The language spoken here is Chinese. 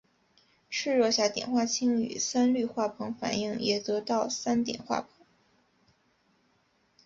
赤热下碘化氢与三氯化硼反应也得到三碘化硼。